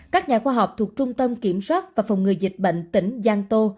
các nhà khoa học thuộc trung tâm kiểm soát và phòng ngừa dịch bệnh tỉnh giang tô